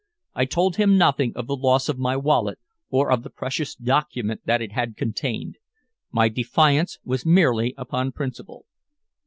I told him nothing of the loss of my wallet or of the precious document that it had contained. My defiance was merely upon principle.